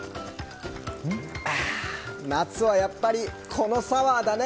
夏はやっぱり、このサワーだね。